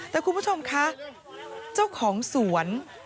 แต่คุณผู้ชมคะเจ้าของสวน